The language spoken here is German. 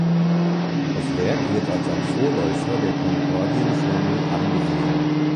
Das Werk wird als ein Vorläufer der Konkordienformel angesehen.